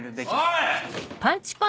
おい！